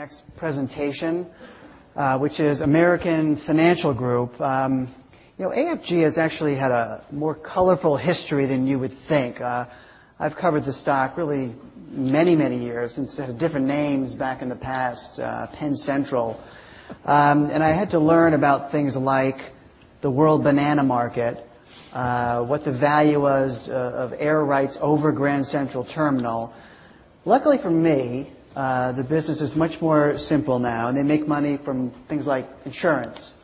The next presentation, which is American Financial Group. AFG has actually had a more colorful history than you would think. I've covered this stock really many years, since they had different names back in the past, Penn Central. I had to learn about things like the world banana market, what the value was of air rights over Grand Central Terminal. Luckily for me, the business is much more simple now, and they make money from things like insurance,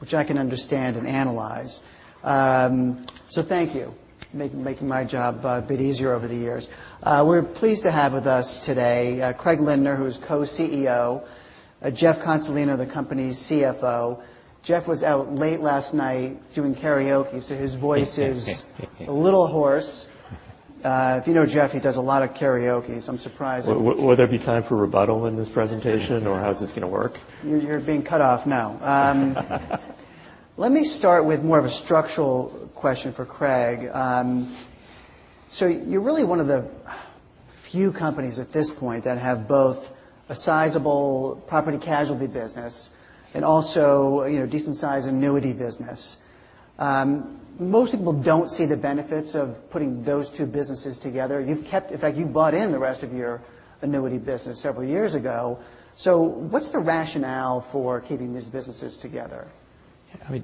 which I can understand and analyze. Thank you, making my job a bit easier over the years. We're pleased to have with us today Craig Lindner, who's Co-CEO, Jeff Consolino, the company's CFO. Jeff was out late last night doing karaoke, so his voice is a little hoarse. If you know Jeff, he does a lot of karaokes. Will there be time for rebuttal in this presentation, or how is this going to work? You're being cut off now. Let me start with more of a structural question for Craig. You're really one of the few companies at this point that have both a sizable property casualty business and also a decent size annuity business. Most people don't see the benefits of putting those two businesses together. In fact, you bought in the rest of your annuity business several years ago. What's the rationale for keeping these businesses together?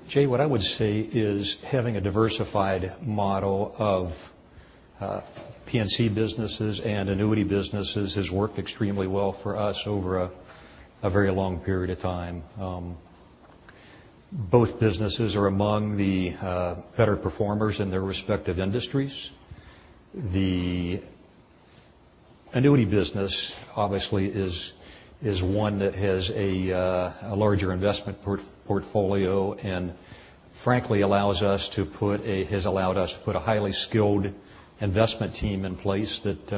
Jay, what I would say is having a diversified model of P&C businesses and annuity businesses has worked extremely well for us over a very long period of time. Both businesses are among the better performers in their respective industries. The annuity business, obviously, is one that has a larger investment portfolio and frankly has allowed us to put a highly skilled investment team in place that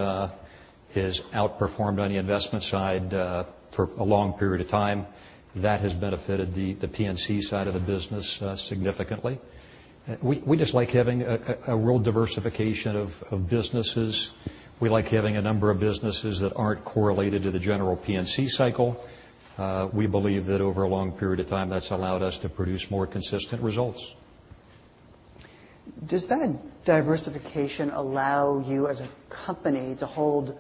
has outperformed on the investment side for a long period of time. That has benefited the P&C side of the business significantly. We just like having a real diversification of businesses. We like having a number of businesses that aren't correlated to the general P&C cycle. We believe that over a long period of time, that's allowed us to produce more consistent results. Does that diversification allow you as a company to hold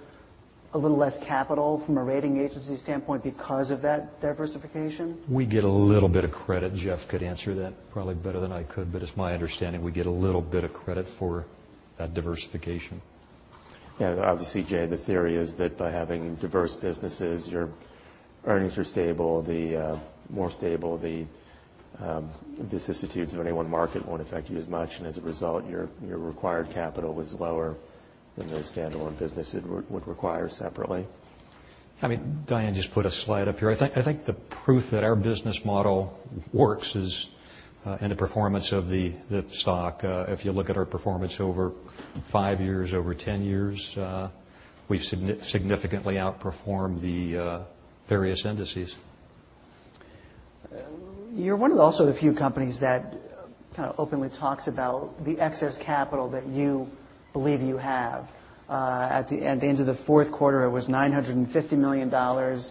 a little less capital from a rating agency standpoint because of that diversification? We get a little bit of credit. Jeff could answer that probably better than I could, but it's my understanding we get a little bit of credit for that diversification. Yeah. Obviously, Jay, the theory is that by having diverse businesses, your earnings are more stable, the vicissitudes of any one market won't affect you as much, and as a result, your required capital is lower than the standalone business it would require separately. Diane just put a slide up here. I think the proof that our business model works is in the performance of the stock. If you look at our performance over five years, over 10 years, we've significantly outperformed the various indices. You're one of also the few companies that kind of openly talks about the excess capital that you believe you have. At the end of the fourth quarter, it was $950 million,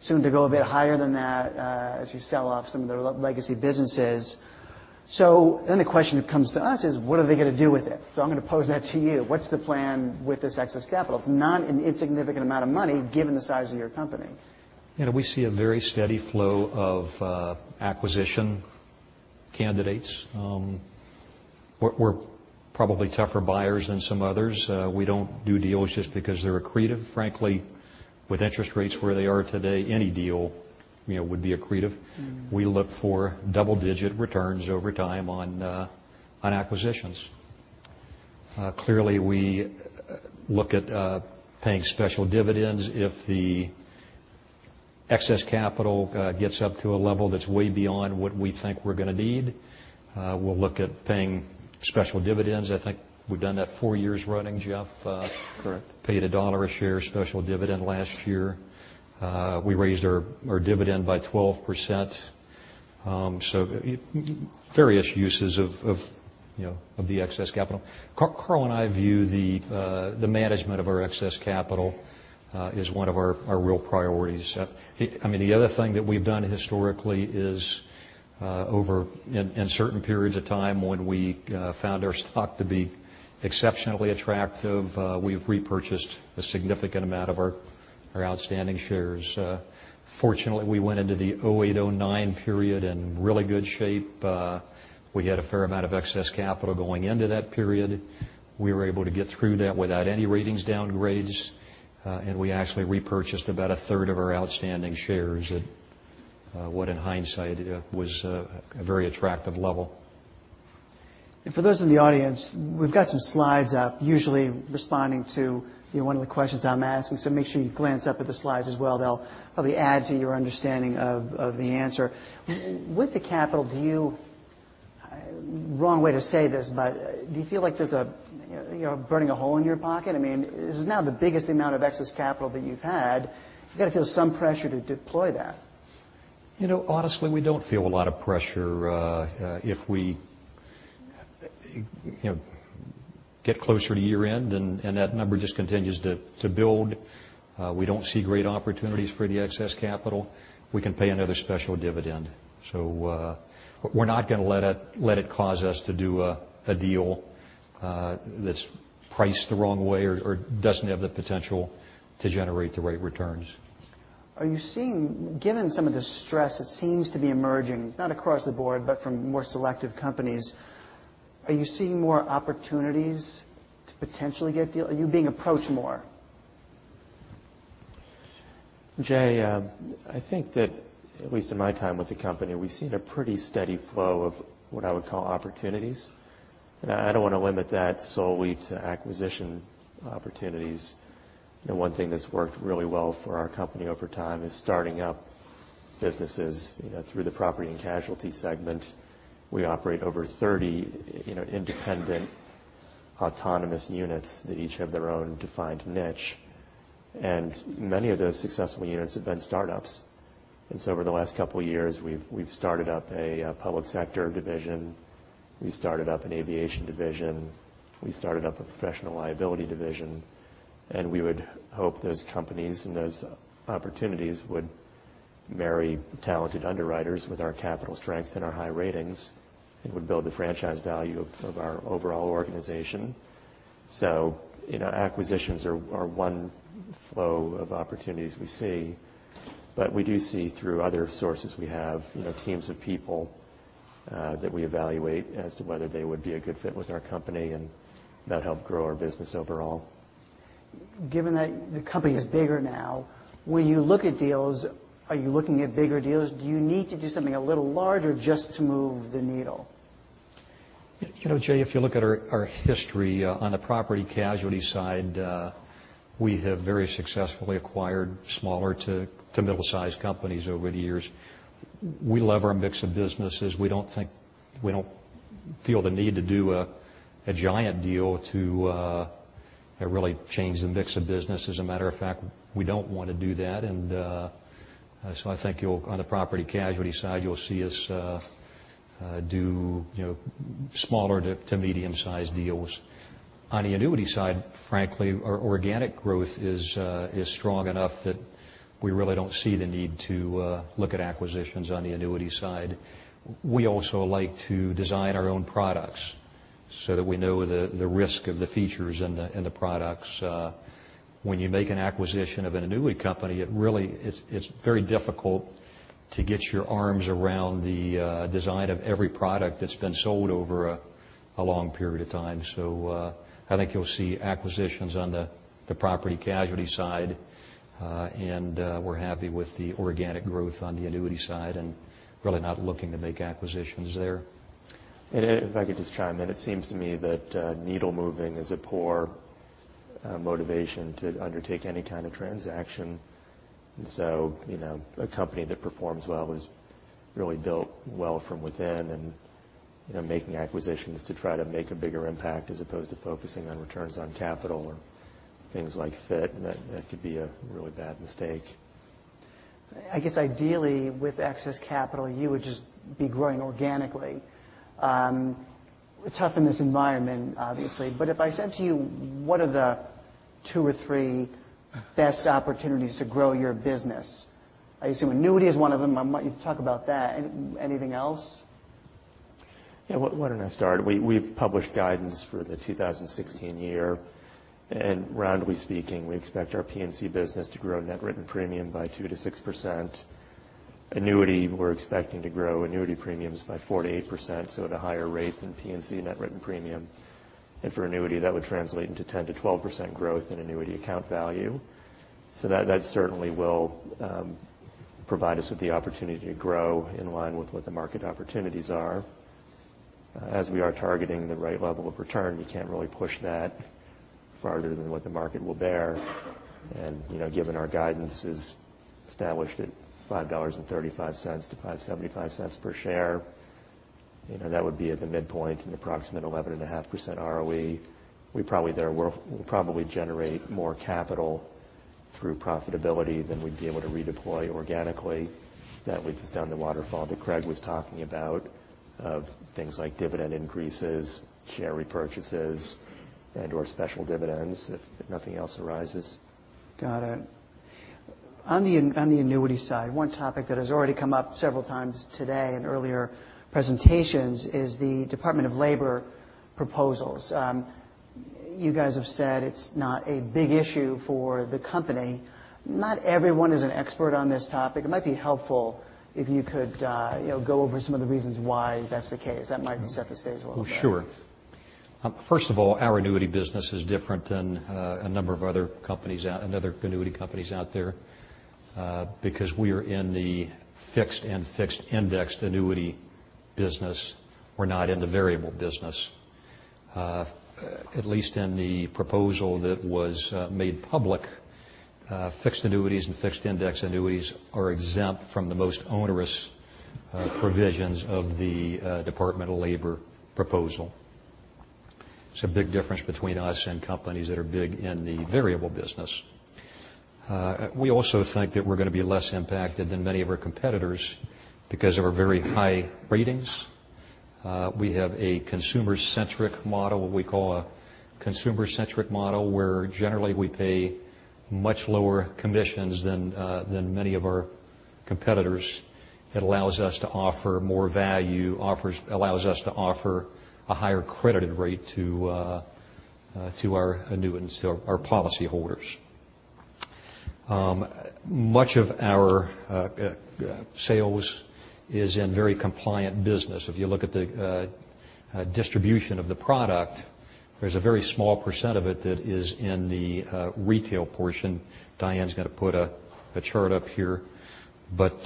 soon to go a bit higher than that as you sell off some of the legacy businesses. The question that comes to us is, what are they going to do with it? I'm going to pose that to you. What's the plan with this excess capital? It's not an insignificant amount of money given the size of your company. We see a very steady flow of acquisition candidates. We're probably tougher buyers than some others. We don't do deals just because they're accretive. Frankly, with interest rates where they are today, any deal would be accretive. We look for double-digit returns over time on acquisitions. Clearly, we look at paying special dividends. If the excess capital gets up to a level that's way beyond what we think we're going to need, we'll look at paying special dividends. I think we've done that four years running, Jeff? Correct. Paid $1 a share special dividend last year. We raised our dividend by 12%. Various uses of the excess capital. Carl and I view the management of our excess capital as one of our real priorities. The other thing that we've done historically is in certain periods of time when we found our stock to be exceptionally attractive, we've repurchased a significant amount of our outstanding shares. Fortunately, we went into the 2008, 2009 period in really good shape. We had a fair amount of excess capital going into that period. We were able to get through that without any ratings downgrades, and we actually repurchased about a third of our outstanding shares at what in hindsight was a very attractive level. For those in the audience, we've got some slides up usually responding to one of the questions I'm asking, so make sure you glance up at the slides as well. They'll probably add to your understanding of the answer. With the capital, wrong way to say this, but do you feel like there's a burning hole in your pocket? This is now the biggest amount of excess capital that you've had. You've got to feel some pressure to deploy that. Honestly, we don't feel a lot of pressure. If we get closer to year-end, and that number just continues to build, we don't see great opportunities for the excess capital, we can pay another special dividend. We're not going to let it cause us to do a deal that's priced the wrong way or doesn't have the potential to generate the right returns. Are you seeing, given some of the stress that seems to be emerging, not across the board, but from more selective companies, are you seeing more opportunities to potentially get deal? Are you being approached more? Jay, I think that at least in my time with the company, we've seen a pretty steady flow of what I would call opportunities. I don't want to limit that solely to acquisition opportunities. One thing that's worked really well for our company over time is starting up businesses through the Property and Casualty segment. We operate over 30 independent autonomous units that each have their own defined niche, and many of those successful units have been startups. Over the last couple of years, we've started up a Public Sector division, we started up an Aviation division, we started up a Professional Liability division, and we would hope those companies and those opportunities would marry talented underwriters with our capital strength and our high ratings and would build the franchise value of our overall organization. Acquisitions are one flow of opportunities we see, we do see through other sources we have, teams of people, that we evaluate as to whether they would be a good fit with our company and that help grow our business overall. Given that the company is bigger now, when you look at deals, are you looking at bigger deals? Do you need to do something a little larger just to move the needle? Jay, if you look at our history on the property casualty side, we have very successfully acquired smaller to middle-sized companies over the years. We love our mix of businesses. We don't feel the need to do a giant deal to really change the mix of business. As a matter of fact, we don't want to do that. I think on the property casualty side, you'll see us do smaller to medium-sized deals. On the annuity side, frankly, our organic growth is strong enough that we really don't see the need to look at acquisitions on the annuity side. We also like to design our own products so that we know the risk of the features and the products. When you make an acquisition of an annuity company, it's very difficult to get your arms around the design of every product that's been sold over a long period of time. I think you'll see acquisitions on the property casualty side, and we're happy with the organic growth on the annuity side and really not looking to make acquisitions there. If I could just chime in, it seems to me that needle moving is a poor motivation to undertake any kind of transaction. A company that performs well is really built well from within and making acquisitions to try to make a bigger impact as opposed to focusing on returns on capital or things like fit, that could be a really bad mistake. I guess ideally with excess capital, you would just be growing organically. Tough in this environment, obviously. If I said to you, what are the two or three best opportunities to grow your business? I assume annuity is one of them. I'll let you talk about that. Anything else? Yeah, why don't I start? We've published guidance for the 2016 year. Roundly speaking, we expect our P&C business to grow net written premium by 2%-6%. Annuity, we're expecting to grow annuity premiums by 4%-8%, so at a higher rate than P&C net written premium. For annuity, that would translate into 10%-12% growth in annuity account value. That certainly will provide us with the opportunity to grow in line with what the market opportunities are. As we are targeting the right level of return, we can't really push that farther than what the market will bear, and given our guidance is established at $5.35-$5.75 per share, that would be at the midpoint, an approximate 11.5% ROE. We'll probably generate more capital through profitability than we'd be able to redeploy organically. That way, just down the waterfall that Craig was talking about of things like dividend increases, share repurchases, and/or special dividends, if nothing else arises. Got it. On the annuity side, one topic that has already come up several times today in earlier presentations is the Department of Labor proposals. You guys have said it's not a big issue for the company. Not everyone is an expert on this topic. It might be helpful if you could go over some of the reasons why that's the case. That might set the stage a little better. Oh, sure. First of all, our annuity business is different than a number of other annuity companies out there, because we are in the fixed and fixed indexed annuity business. We're not in the variable business. At least in the proposal that was made public, fixed annuities and fixed indexed annuities are exempt from the most onerous provisions of the Department of Labor proposal. It's a big difference between us and companies that are big in the variable business. We also think that we're going to be less impacted than many of our competitors because of our very high ratings. We have a consumer-centric model, what we call a consumer-centric model, where generally we pay much lower commissions than many of our competitors. It allows us to offer more value, allows us to offer a higher credited rate to our annuitants, our policyholders. Much of our sales is in very compliant business. If you look at the distribution of the product, there's a very small percent of it that is in the retail portion. Diane's got to put a chart up here. About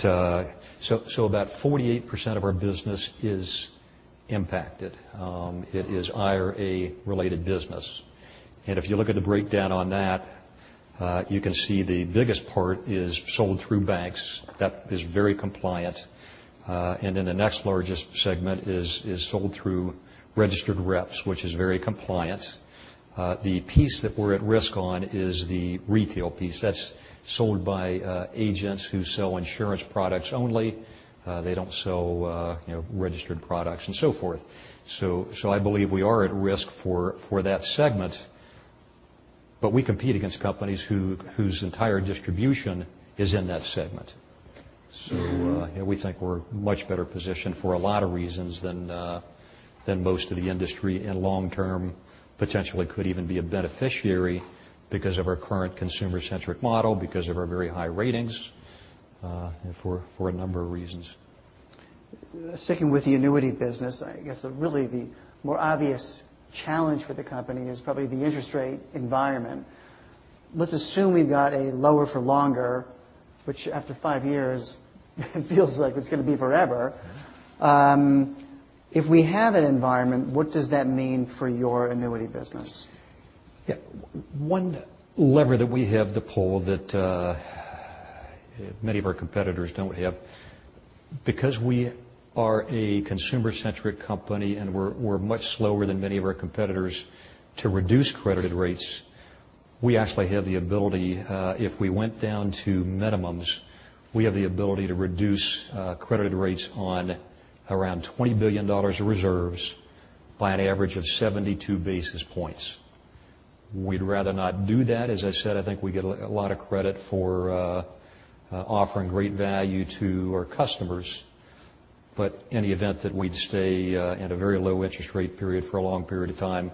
48% of our business is impacted. It is IRA-related business. If you look at the breakdown on that, you can see the biggest part is sold through banks. That is very compliant. Then the next largest segment is sold through registered reps, which is very compliant. The piece that we're at risk on is the retail piece. That's sold by agents who sell insurance products only. They don't sell registered products and so forth. I believe we are at risk for that segment, but we compete against companies whose entire distribution is in that segment. We think we're much better positioned for a lot of reasons than most of the industry, and long term, potentially could even be a beneficiary because of our current consumer-centric model, because of our very high ratings, and for a number of reasons. Sticking with the annuity business, I guess really the more obvious challenge for the company is probably the interest rate environment. Let's assume we've got a lower for longer, which after five years feels like it's going to be forever. If we have that environment, what does that mean for your annuity business? One lever that we have to pull that many of our competitors don't have, because we are a consumer-centric company and we're much slower than many of our competitors to reduce credited rates. We actually have the ability, if we went down to minimums, we have the ability to reduce credited rates on around $20 billion of reserves by an average of 72 basis points. We'd rather not do that. As I said, I think we get a lot of credit for offering great value to our customers. In the event that we'd stay at a very low interest rate period for a long period of time,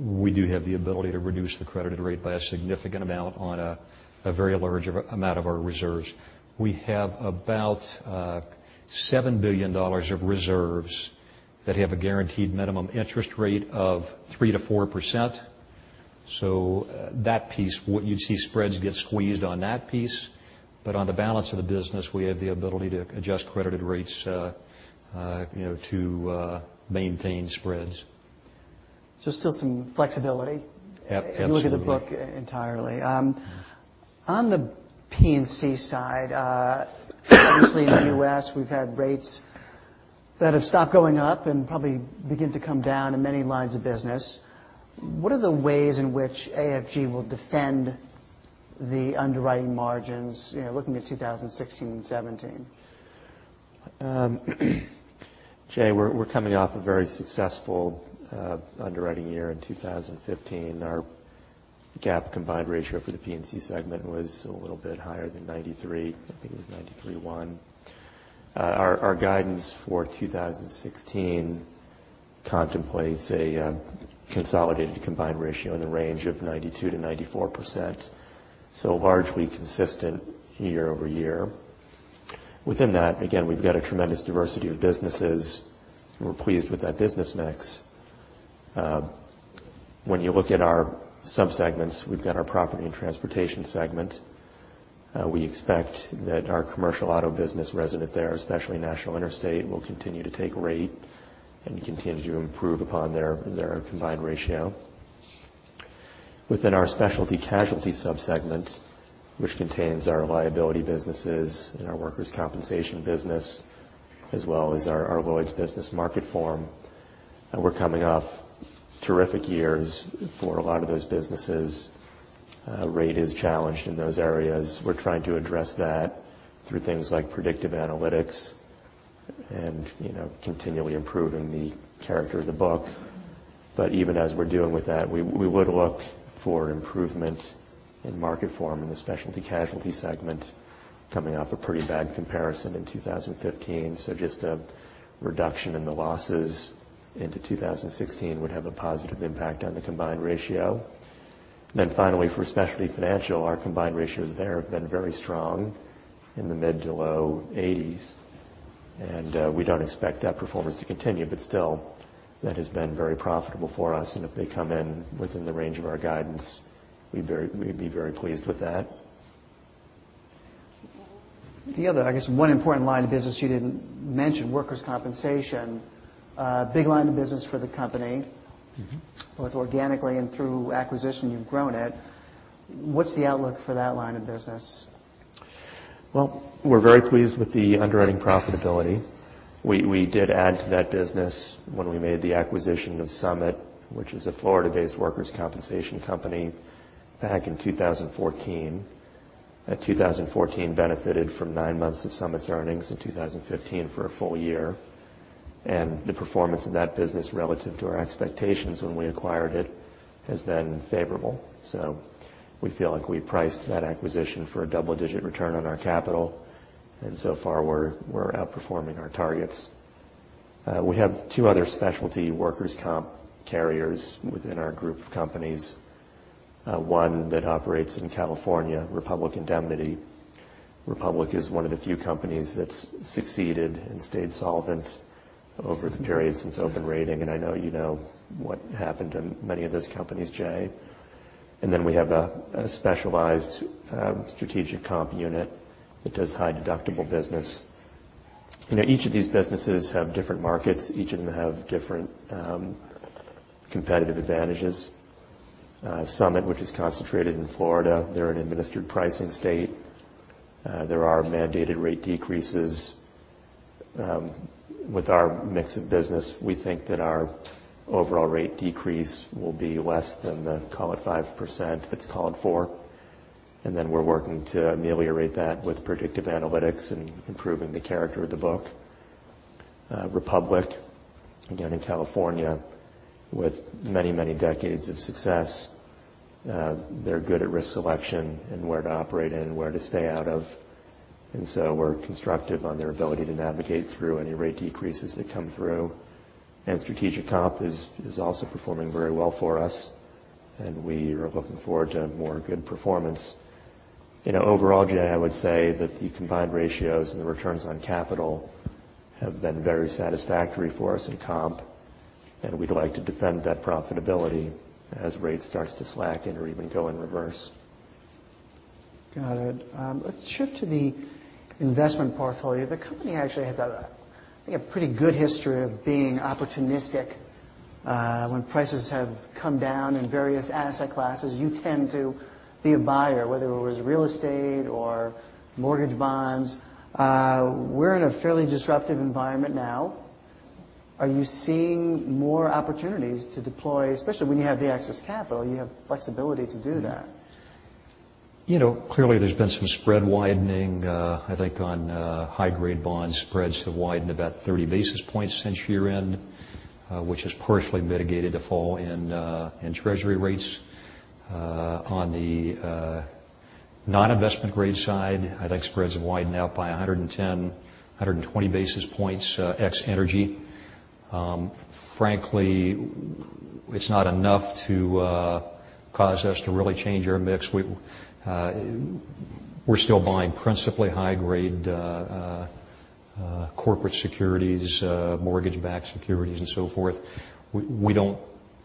we do have the ability to reduce the credited rate by a significant amount on a very large amount of our reserves. We have about $7 billion of reserves that have a guaranteed minimum interest rate of 3%-4%. That piece, what you'd see spreads get squeezed on that piece. On the balance of the business, we have the ability to adjust credited rates to maintain spreads. Still some flexibility. Absolutely if you look at the book entirely. On the P&C side, obviously in the U.S., we've had rates that have stopped going up and probably begin to come down in many lines of business. What are the ways in which AFG will defend the underwriting margins, looking at 2016 and 2017? Jay, we're coming off a very successful underwriting year in 2015. Our GAAP combined ratio for the P&C segment was a little bit higher than 93. I think it was 93.1. Our guidance for 2016 contemplates a consolidated combined ratio in the range of 92%-94%, so largely consistent year-over-year. Within that, again, we've got a tremendous diversity of businesses. We're pleased with that business mix. When you look at our sub-segments, we've got our property and transportation segment. We expect that our commercial auto business resident there, especially National Interstate, will continue to take rate and continue to improve upon their combined ratio. Within our specialty casualty sub-segment, which contains our liability businesses and our workers' compensation business, as well as our Lloyd's business Marketform, we're coming off terrific years for a lot of those businesses. Rate is challenged in those areas. We're trying to address that through things like predictive analytics and continually improving the character of the book. Even as we're dealing with that, we would look for improvement in Marketform in the specialty casualty segment coming off a pretty bad comparison in 2015. Just a reduction in the losses into 2016 would have a positive impact on the combined ratio. Finally, for specialty financial, our combined ratios there have been very strong in the mid to low 80s. We don't expect that performance to continue, but still, that has been very profitable for us, and if they come in within the range of our guidance, we'd be very pleased with that. The other, I guess one important line of business you didn't mention, workers' compensation. Both organically and through acquisition, you've grown it. What's the outlook for that line of business? We're very pleased with the underwriting profitability. We did add to that business when we made the acquisition of Summit, which is a Florida-based workers' compensation company back in 2014. 2014 benefited from nine months of Summit's earnings. 2015 for a full year. The performance of that business relative to our expectations when we acquired it has been favorable. We feel like we priced that acquisition for a double-digit return on our capital. So far we're outperforming our targets. We have two other specialty workers' comp carriers within our group of companies. One that operates in California, Republic Indemnity. Republic is one of the few companies that's succeeded and stayed solvent over the period since open rating. I know you know what happened to many of those companies, Jay. Then we have a specialized Strategic Comp unit that does high deductible business. Each of these businesses have different markets, each of them have different competitive advantages. Summit, which is concentrated in Florida, they're an administered pricing state. There are mandated rate decreases. With our mix of business, we think that our overall rate decrease will be less than the, call it 5%, that's called for. Then we're working to ameliorate that with predictive analytics and improving the character of the book. Republic, again in California with many decades of success, they're good at risk selection and where to operate and where to stay out of. We're constructive on their ability to navigate through any rate decreases that come through. Strategic Comp is also performing very well for us, and we are looking forward to more good performance. Overall, Jay, I would say that the combined ratios and the returns on capital have been very satisfactory for us in comp. We'd like to defend that profitability as rates starts to slacken or even go in reverse. Got it. Let's shift to the investment portfolio. The company actually has, I think, a pretty good history of being opportunistic. When prices have come down in various asset classes, you tend to be a buyer, whether it was real estate or mortgage bonds. We're in a fairly disruptive environment now. Are you seeing more opportunities to deploy, especially when you have the excess capital, you have flexibility to do that? Clearly there's been some spread widening. I think on high-grade bonds, spreads have widened about 30 basis points since year-end, which has partially mitigated a fall in treasury rates. On the non-investment grade side, I think spreads have widened out by 110, 120 basis points ex energy. It's not enough to cause us to really change our mix. We're still buying principally high-grade corporate securities, mortgage-backed securities, and so forth. We don't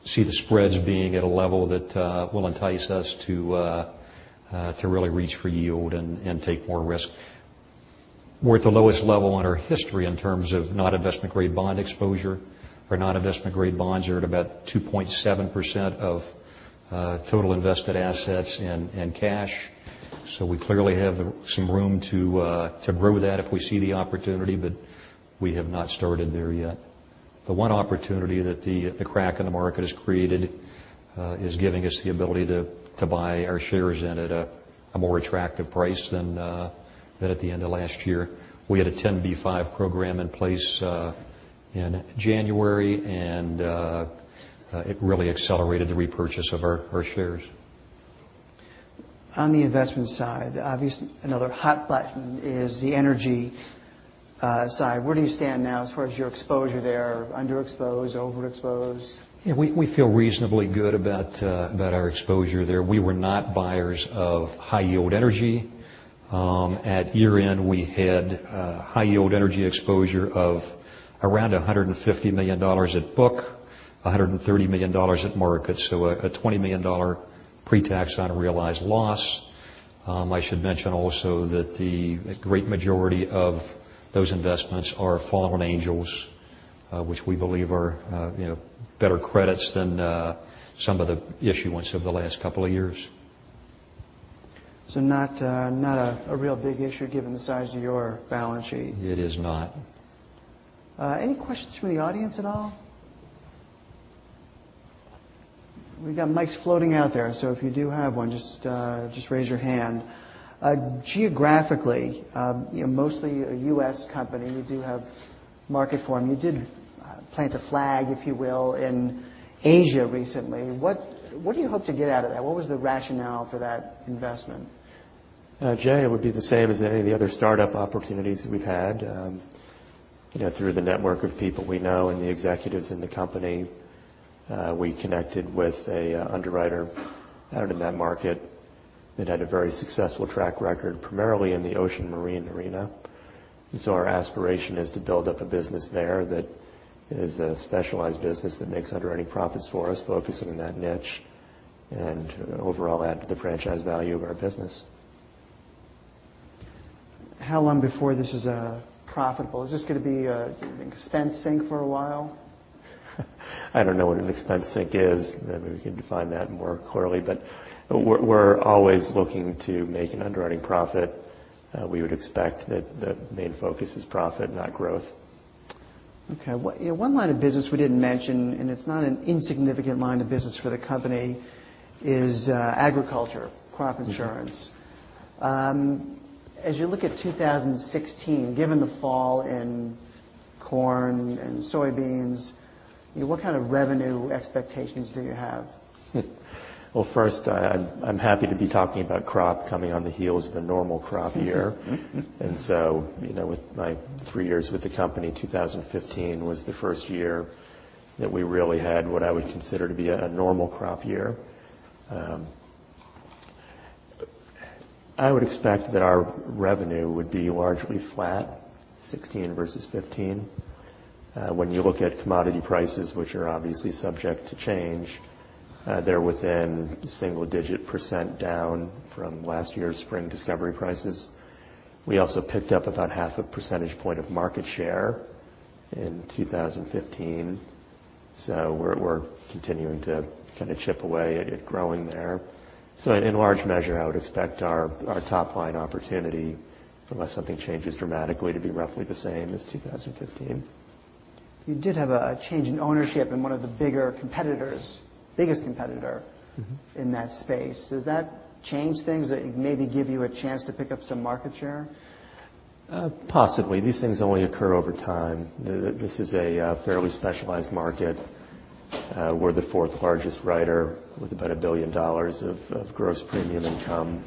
see the spreads being at a level that will entice us to really reach for yield and take more risk. We're at the lowest level in our history in terms of non-investment grade bond exposure. Our non-investment grade bonds are at about 2.7% of total invested assets and cash. We clearly have some room to grow that if we see the opportunity, but we have not started there yet. The one opportunity that the crack in the market has created is giving us the ability to buy our shares in at a more attractive price than at the end of last year. We had a 10b5-1 program in place in January. It really accelerated the repurchase of our shares. On the investment side, obviously another hot button is the energy side. Where do you stand now as far as your exposure there, underexposed, overexposed? Yeah. We feel reasonably good about our exposure there. We were not buyers of high-yield energy. At year-end, we had high-yield energy exposure of around $150 million at book, $130 million at market. A $20 million pre-tax unrealized loss. I should mention also that the great majority of those investments are fallen angels, which we believe are better credits than some of the issuance over the last couple of years. Not a real big issue given the size of your balance sheet. It is not. Any questions from the audience at all? We've got mics floating out there, if you do have one, just raise your hand. Geographically, you're mostly a U.S. company. You do have Marketform. You did plant a flag, if you will, in Asia recently. What do you hope to get out of that? What was the rationale for that investment? Jay, it would be the same as any of the other startup opportunities that we've had. Through the network of people we know and the executives in the company, we connected with a underwriter out in that market that had a very successful track record, primarily in the ocean marine arena. Our aspiration is to build up a business there that is a specialized business that makes underwriting profits for us, focusing in that niche, and overall add to the franchise value of our business. How long before this is profitable? Is this going to be an expense sink for a while? I don't know what an expense sink is. Maybe we can define that more clearly. We're always looking to make an underwriting profit. We would expect that the main focus is profit, not growth. Okay. One line of business we didn't mention, and it's not an insignificant line of business for the company, is agriculture, crop insurance. As you look at 2016, given the fall in corn and soybeans, what kind of revenue expectations do you have? Well, first, I'm happy to be talking about crop coming on the heels of a normal crop year. With my three years with the company, 2015 was the first year that we really had what I would consider to be a normal crop year. I would expect that our revenue would be largely flat 2016 versus 2015. When you look at commodity prices, which are obviously subject to change, they're within single-digit % down from last year's spring discovery prices. We also picked up about half a percentage point of market share in 2015. We're continuing to kind of chip away at growing there. In large measure, I would expect our top-line opportunity, unless something changes dramatically, to be roughly the same as 2015. You did have a change in ownership in one of the bigger competitors, biggest competitor. in that space. Does that change things that maybe give you a chance to pick up some market share? Possibly. These things only occur over time. This is a fairly specialized market. We're the fourth-largest writer with about $1 billion of gross premium income.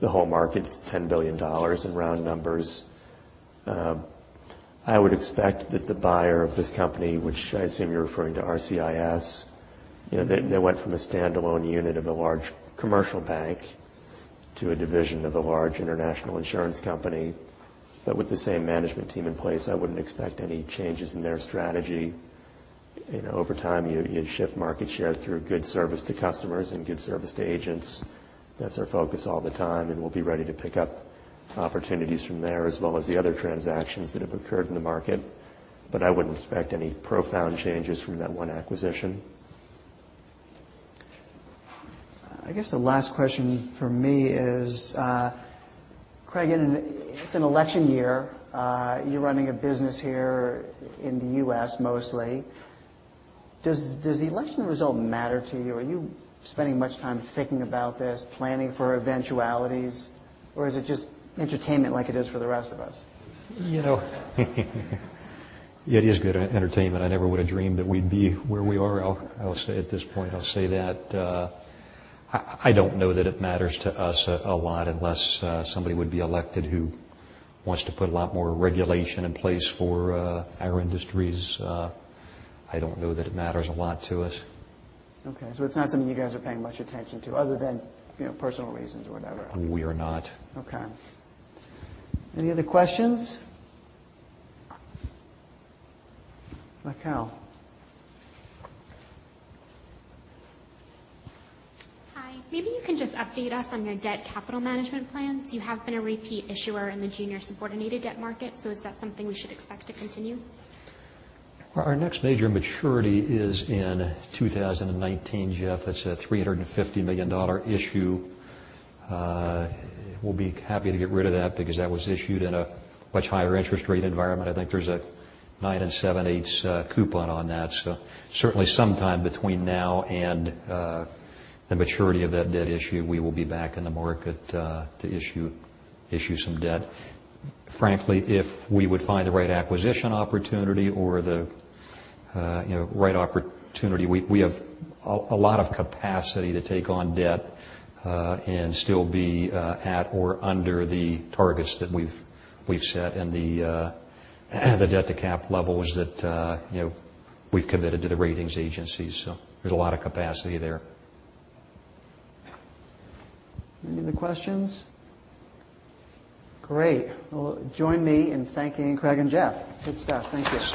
The whole market is $10 billion in round numbers. I would expect that the buyer of this company, which I assume you're referring to RCIS, they went from a standalone unit of a large commercial bank to a division of a large international insurance company, but with the same management team in place. I wouldn't expect any changes in their strategy. Over time, you shift market share through good service to customers and good service to agents. That's our focus all the time, and we'll be ready to pick up opportunities from there, as well as the other transactions that have occurred in the market. I wouldn't expect any profound changes from that one acquisition. I guess the last question from me is, Craig, it's an election year. You're running a business here in the U.S. mostly. Does the election result matter to you? Are you spending much time thinking about this, planning for eventualities, or is it just entertainment like it is for the rest of us? You know, it is good entertainment. I never would've dreamed that we'd be where we are, I'll say at this point. I'll say that. I don't know that it matters to us a lot, unless somebody would be elected who wants to put a lot more regulation in place for our industries. I don't know that it matters a lot to us. Okay. It's not something you guys are paying much attention to other than personal reasons or whatever. We are not. Okay. Any other questions? Raquel. Hi. Maybe you can just update us on your debt capital management plans. You have been a repeat issuer in the junior subordinated debt market. Is that something we should expect to continue? Our next major maturity is in 2019, Jeff. That's a $350 million issue. We'll be happy to get rid of that because that was issued in a much higher interest rate environment. I think there's a nine and seven-eighths coupon on that. Certainly sometime between now and the maturity of that debt issue, we will be back in the market to issue some debt. Frankly, if we would find the right acquisition opportunity or the right opportunity, we have a lot of capacity to take on debt, and still be at or under the targets that we've set and the debt-to-cap levels that we've committed to the ratings agencies. There's a lot of capacity there. Any other questions? Great. Well, join me in thanking Craig and Jeff. Good stuff. Thank you.